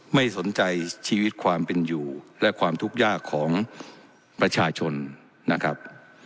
ไม่สนใจชีวิตความเป็นอยู่และความทุกข์ยากของประชาชนนะครับ